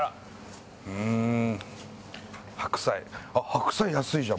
白菜安いじゃんもう。